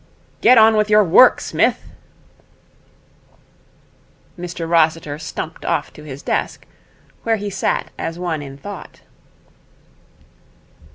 'Get on with your work, Smith.' Mr Rossiter stumped off to his desk, where he sat as one in thought.